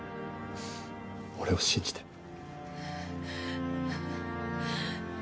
俺を信じて。